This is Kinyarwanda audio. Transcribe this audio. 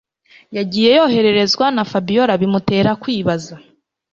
yagiye yohererezwa na Fabiora bimutera kwibaza